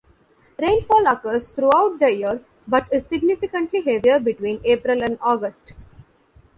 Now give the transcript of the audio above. Rainfall occurs throughout the year but is significantly heavier between April and August.